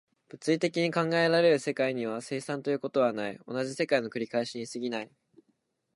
物理的に考えられる世界には、生産ということはない、同じ世界の繰り返しに過ぎない。